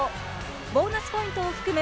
ボーナスポイントを含む